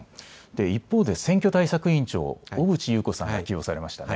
一方で、選挙対策委員長、小渕優子さんが起用されましたね。